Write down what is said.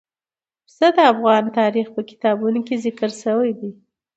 پسه د افغان تاریخ په کتابونو کې ذکر شوي دي.